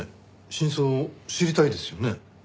真相知りたいですよね？